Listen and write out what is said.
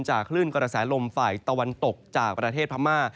คลื่นกระแสลมฝ่ายตะวันตกจากประเทศพม่า